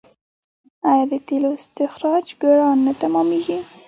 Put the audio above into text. آیا د تیلو استخراج ګران نه تمامېږي؟